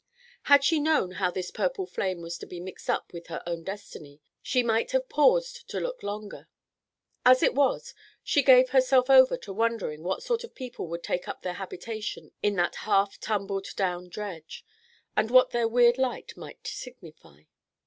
Had she known how this purple flame was to be mixed up with her own destiny, she might have paused to look longer. As it was, she gave herself over to wondering what sort of people would take up their habitation in that half tumbled down dredge, and what their weird light might signify.